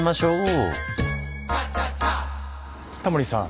タモリさん。